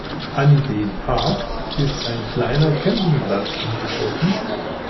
An den Park ist ein kleiner Campingplatz angeschlossen.